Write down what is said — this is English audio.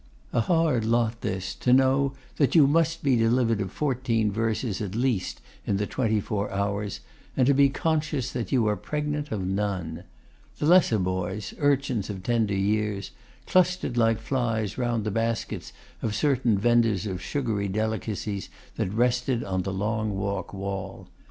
A hard lot this, to know that you must be delivered of fourteen verses at least in the twenty four hours, and to be conscious that you are pregnant of none. The lesser boys, urchins of tender years, clustered like flies round the baskets of certain vendors of sugary delicacies that rested on the Long Walk wall.